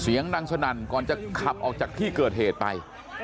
เสียงดังสนั่นก่อนจะขับออกจากที่เกิดเหตุไป